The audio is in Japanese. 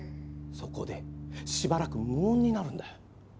そこでしばらく無音になるんだよ。